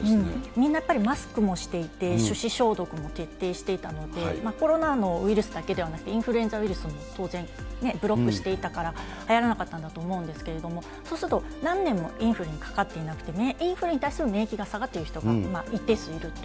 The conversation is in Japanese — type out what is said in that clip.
みんなやっぱりマスクもしていて、手指消毒も徹底していたので、コロナのウイルスだけではなくて、インフルエンザウイルスも当然ブロックしていたからはやらなかったんだと思うんですけれども、そうすると、何年もインフルにかかっていなくて、インフルに対する免疫が下がっている人が一定数いると。